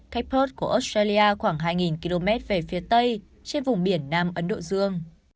cách port của australia khoảng hai km về phía tây trên vùng biển nam ấn độ dương